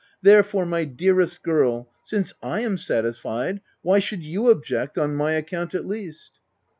Therefore, my dearest girl, since / am satisfied, why should you object — on my account, at least."